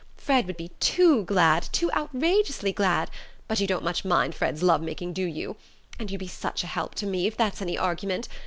Fred would be too glad too outrageously glad but you don't much mind Fred's love making, do you? And you'd be such a help to me if that's any argument!